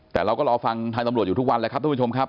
แต่เราก็รอฟังทางตำรวจอยู่ทุกวันแล้วครับทุกผู้ชมครับ